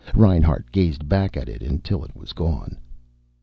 Reinhart gazed back at it until it was gone.